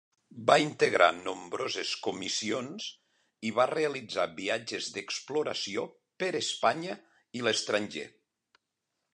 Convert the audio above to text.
Va integrar nombroses comissions i va realitzar viatges d'exploració per Espanya i l'estranger.